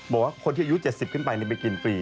บอกว่าคนที่อายุ๗๐ขึ้นไปไปกินฟรี